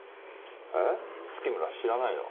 えっ月村知らないの？